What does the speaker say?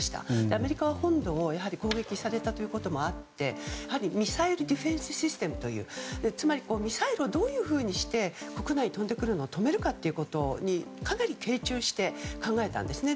アメリカは本土を攻撃されたということもあってミサイルディフェンスシステムというつまりミサイルをどういうふうにして国内に飛んでくるのを止めるかということにかなり傾注して考えたんですね。